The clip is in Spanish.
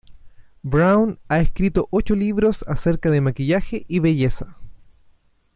Brown ha escrito ocho libros acerca de maquillaje y belleza.